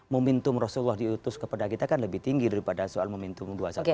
momentum rasulullah diutus kepada kita kan lebih tinggi daripada soal momentum dua ratus dua belas